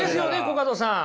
コカドさん。